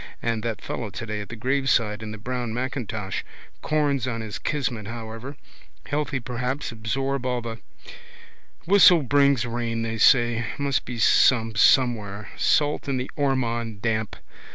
And that fellow today at the graveside in the brown macintosh. Corns on his kismet however. Healthy perhaps absorb all the. Whistle brings rain they say. Must be some somewhere. Salt in the Ormond damp.